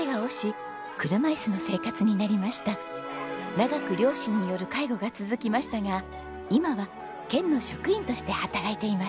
長く両親による介護が続きましたが今は県の職員として働いています。